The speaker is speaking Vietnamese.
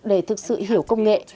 để thực sự hiểu công nghệ